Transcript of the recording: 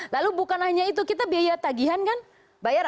lalu bukan hanya itu kita biaya tagihan kan bayar